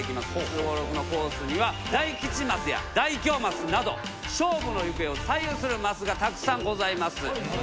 すごろくのコースには大吉マスや大凶マスなど勝負の行方を左右するマスがたくさんございます。